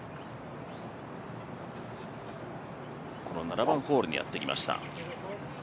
この７番ホールにやってきました。